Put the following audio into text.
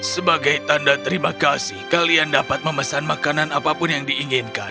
sebagai tanda terima kasih kalian dapat memesan makanan apapun yang diinginkan